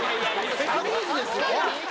ジャニーズですよ？